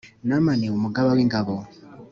Namani umugaba w’ingabo